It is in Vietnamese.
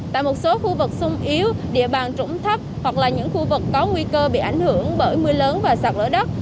tại một số khu vực sung yếu địa bàn trũng thấp hoặc là những khu vực có nguy cơ bị ảnh hưởng bởi mưa lớn và sạt lở đất